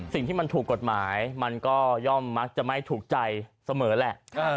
สิ่งที่มันถูกกฎหมายมันก็ย่อมมักจะไม่ถูกใจเสมอแหละ